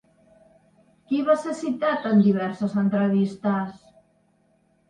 Qui va ser citat en diverses entrevistes?